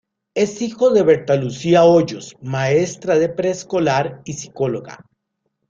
Es hijo de Berta Lucía Hoyos, maestra de preescolar y psicóloga.